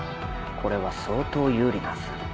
これは相当有利なはず。